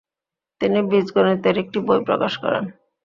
তিনি বীজগণিতের একটি বই প্রকাশ করেন।